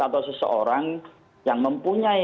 atau seseorang yang mempunyai